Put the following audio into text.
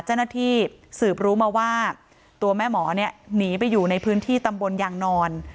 เจ้าหน้าที่สืบรู้มาว่าตัวแม่หมอเนี่ยหนีไปอยู่ในพื้นที่ตำบลยางนอน